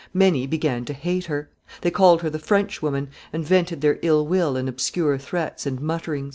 Many began to hate her. They called her the French woman, and vented their ill will in obscure threats and mutterings.